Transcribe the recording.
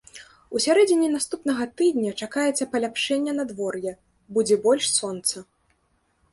У сярэдзіне наступнага тыдня чакаецца паляпшэння надвор'я, будзе больш сонца.